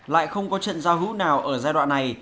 lại không có trận giao hữu nào ở giai đoạn này